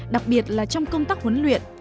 đặc biệt là trong công tác huấn luyện